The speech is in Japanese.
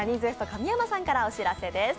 ＷＥＳＴ神山さんからお知らせです。